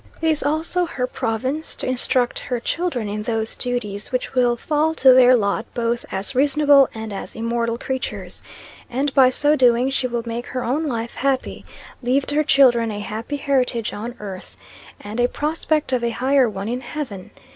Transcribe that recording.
It is also her province to instruct her children in those duties which will fall to their lot both as reasonable and as immortal creatures; and by so doing she will make her own life happy leave to her children a happy heritage on earth, and a prospect of a higher one in heaven.